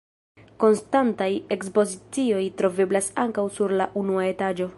Konstantaj ekspozicioj troveblas ankaŭ sur la unua etaĝo.